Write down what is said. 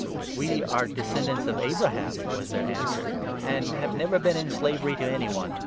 "We are descendants of Abraham," was their answer, " and 33 have never yet been in slavery to any one.